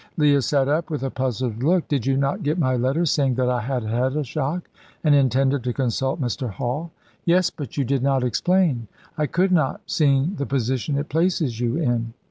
Leah sat up with a puzzled look. "Did you not get my letter saying that I had had a shock, and intended to consult Mr. Hall?" "Yes; but you did not explain." "I could not, seeing the position it places you in."